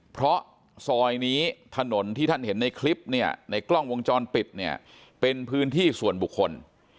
เพราะซอยนี้ถนนที่ท่านเห็นในคลิปเนี่ยในกล้องวงจรปิดเนี่ยเป็นพื้นที่ส่วนบุคคล